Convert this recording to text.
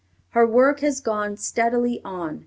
Her work has gone steadily on.